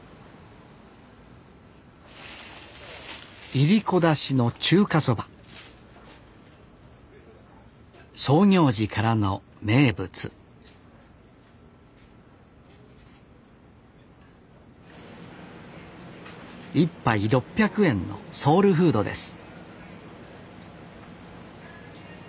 いりこだしの中華そば創業時からの名物１杯６００円のソウルフードです